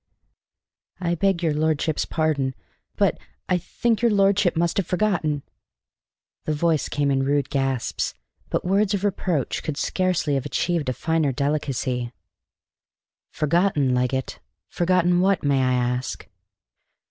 "I beg your lordship's pardon, but I think your lordship must have forgotten." The voice came in rude gasps, but words of reproach could scarcely have achieved a finer delicacy. "Forgotten, Leggett! Forgotten what, may I ask?"